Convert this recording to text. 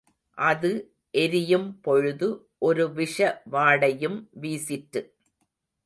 அது எரியும் பொழுது ஒரு விஷ வாடையும் வீசிற்று.